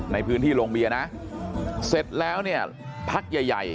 ในพื้นที่ลงเบียนะเสร็จแล้วเนี่ยพักใหญ่ใหญ่